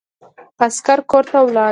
عسکر کورته ولاړ.